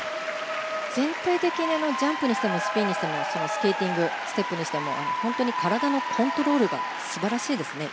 全体的にジャンプにしてもスピンにしてもスケーティングステップにしても本当に体のコントロールが素晴らしいですね。